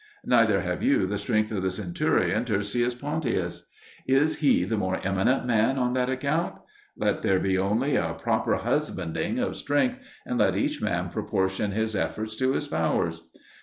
Neither have you the strength of the centurion T. Pontius: is he the more eminent man on that account? Let there be only a proper husbanding of strength, and let each man proportion his efforts to his powers.